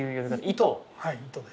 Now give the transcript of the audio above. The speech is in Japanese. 糸？